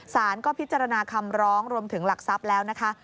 สารก็พิจารณาคำร้องรวมถึงหลักทรัพย์แล้วนะคะ